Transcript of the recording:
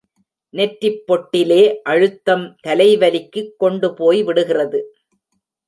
நெற்றிப் பொட்டிலே அழுத்தம் தலைவலிக்குக் கொண்டு போய்விடுகிறது.